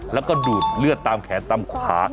แล้วก็ดูดเลือดตามแขนตามขา